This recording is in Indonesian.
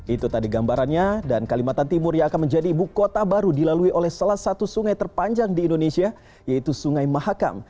itu tadi gambarannya dan kalimantan timur yang akan menjadi ibu kota baru dilalui oleh salah satu sungai terpanjang di indonesia yaitu sungai mahakam